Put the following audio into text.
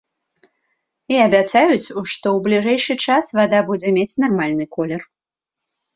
І абяцаюць, што ў бліжэйшы час вада будзе мець нармальны колер.